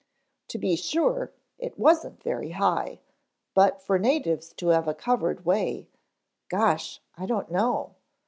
To be sure, it wasn't very high, but for natives to have a covered way gosh I don't know.